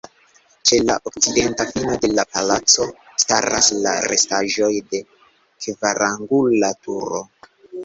Ĉe la okcidenta fino de la palaco staras la restaĵoj de kvarangula turo.